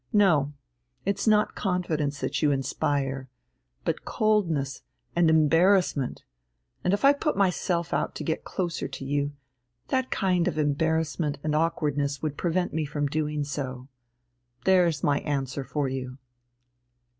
No, it's not confidence that you inspire, but coldness and embarrassment; and if I put myself out to get closer to you, that kind of embarrassment and awkwardness would prevent me from doing so, there's my answer for you."